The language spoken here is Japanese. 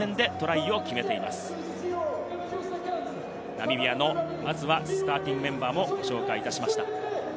ナミビアのスターティングメンバーをご紹介しました。